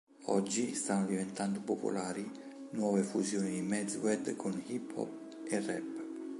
Oggi stanno diventando popolari nuove fusioni di Mezwed con hip hop e rap.